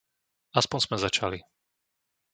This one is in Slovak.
Aspoň sme začali.